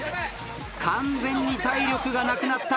完全に体力がなくなった。